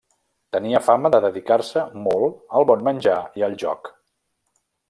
Tenia fama de dedicar-se molt al bon menjar i al joc.